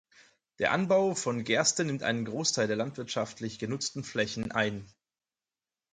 Der Anbau von Gerste nimmt einen Großteil der landwirtschaftlich genutzten Flächen ein.